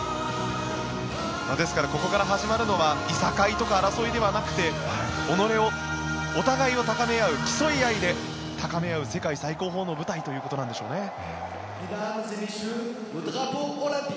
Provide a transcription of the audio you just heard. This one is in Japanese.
ですからここから始まるのはいさかいとか争いではなく己を、お互いを高めあう競い合いで高め合う世界最高峰の舞台ということなんでしょうね。